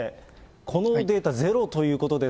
このデータ、ゼロということです